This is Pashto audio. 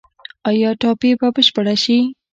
آیا ټاپي به بشپړه شي؟